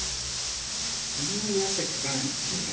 そんなに汗かかないっていうね。